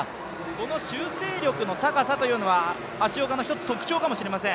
この修正力の高さというのは、橋岡の一つ特徴かもしれません。